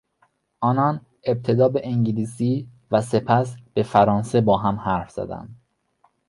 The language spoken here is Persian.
آنان ابتدا به انگلیسی و سپس به فرانسه با هم حرف زدند.